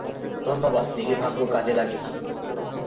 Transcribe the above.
ধন্যবাদ, দেখি ভাগ্য কাজে লাগে কিনা।